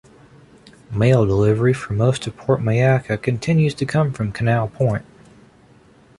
Mail delivery for most of Port Mayaca continues to come from Canal Point.